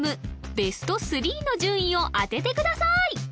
ＢＥＳＴ３の順位を当ててください！